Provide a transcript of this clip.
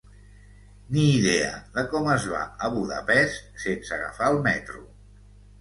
Ni idea de com es va a Budapest sense agafar el metro.